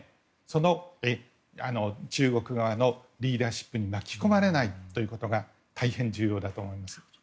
その中国側のリーダーシップに巻き込まれないということが大変、重要だと思います。